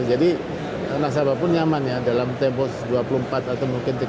jadi nasabah pun nyaman ya dalam tempos dua puluh empat atau mungkin empat puluh delapan jam